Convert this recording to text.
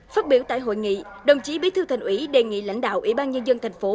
phát biểu tại hội nghị đồng chí bí thư thành ủy đề nghị lãnh đạo ủy ban nhân dân thành phố